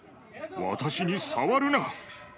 私に触るな！